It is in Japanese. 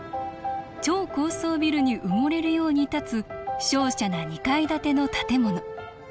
超高層ビルに埋もれるように建つしょうしゃな２階建ての建物。